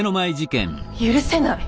許せない。